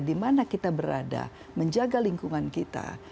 dimana kita berada menjaga lingkungan kita